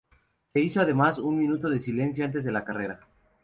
Se hizo además un minuto de silencio antes de la carrera.